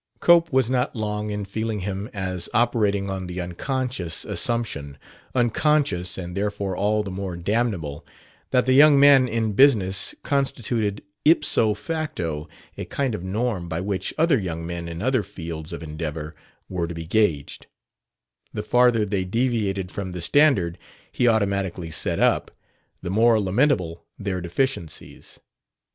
Cope was not long in feeling him as operating on the unconscious assumption unconscious, and therefore all the more damnable that the young man in business constituted, ipso facto, a kind of norm by which other young men in other fields of endeavor were to be gauged: the farther they deviated from the standard he automatically set up, the more lamentable their deficiencies.